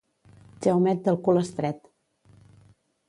Jaumet del cul estret.